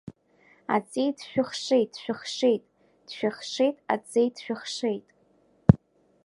Аҵеи дшәыхшеит, дшәыхшеит, дшәыхшеит, Аҵеи дшәыхшеит.